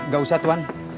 gak usah tuan